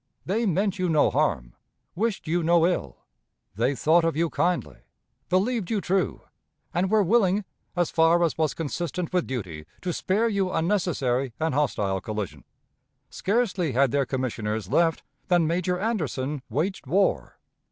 They meant you no harm, wished you no ill. They thought of you kindly, believed you true, and were willing, as far as was consistent with duty, to spare you unnecessary and hostile collision. Scarcely had their commissioners left, than Major Anderson waged war.